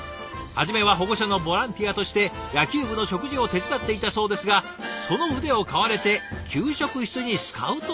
初めは保護者のボランティアとして野球部の食事を手伝っていたそうですがその腕を買われて給食室にスカウトされたんだそう。